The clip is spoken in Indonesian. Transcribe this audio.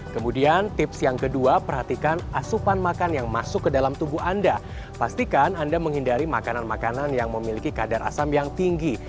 kemudian tips yang kedua perhatikan asupan makan yang masuk ke dalam tubuh anda pastikan anda menghindari makanan makanan yang memiliki kadar asam yang tinggi